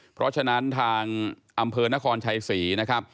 เพราะฉะนั้นทางมเภอนครชัยศรี